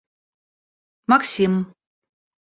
Максим